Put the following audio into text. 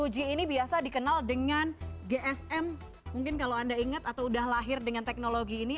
lima g ini biasa dikenal dengan gsm mungkin kalau anda ingat atau sudah lahir dengan teknologi ini